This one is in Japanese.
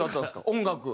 音楽。